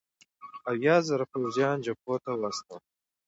اویا زره پوځیان جبهو ته واستول.